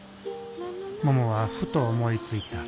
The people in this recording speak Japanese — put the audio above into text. ももはふと思いついた。